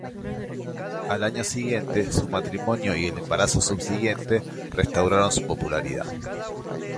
Al año siguiente, su matrimonio y el embarazo subsiguiente restauraron su popularidad.